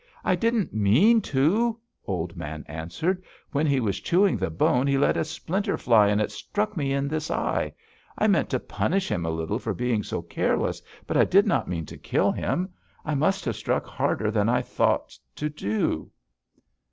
"'I didn't mean to,' Old Man answered. 'When he was chewing the bone he let a splinter fly, and it struck me in this eye. I meant to punish him a little for being so careless, but I did not mean to kill him. I must have struck harder than I thought to do.'